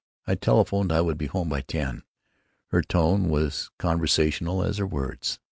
I telephoned I would be home by ten." Her tone was conventional as her words.